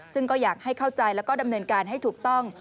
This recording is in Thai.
ซึ่งก็อยากให้เข้าใจแล้วก็ดำเนินการให้ถูกต้อง